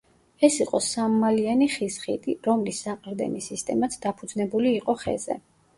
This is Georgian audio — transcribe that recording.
ეს იყო სამმალიანი ხის ხიდი, რომლის საყრდენი სისტემაც დაფუძნებული იყო ხეზე.